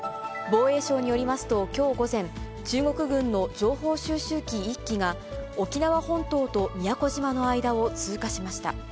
防衛省によりますと、きょう午前、中国軍の情報収集機１機が、沖縄本島と宮古島の間を通過しました。